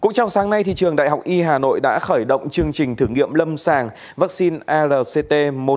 cũng trong sáng nay trường đại học y hà nội đã khởi động chương trình thử nghiệm lâm sàng vaccine lct một trăm năm mươi bốn